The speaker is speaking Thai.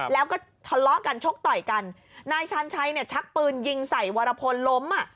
แล้วก็ทะเลาะกันชกต่อยกันนายชาญชัยเนี่ยชักปืนยิงใส่วรพลล้มอ่ะ